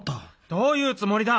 どういうつもりだ！